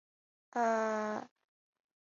从此不再孤单